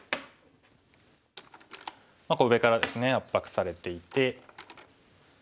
こう上からですね圧迫されていて。